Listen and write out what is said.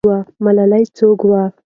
ملالۍ څوک وه؟